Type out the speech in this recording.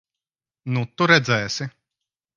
Nu, tu redzēsi!